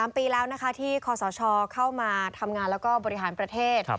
๓ปีแล้วนะคะที่คอสชเข้ามาทำงานแล้วก็บริหารประเทศ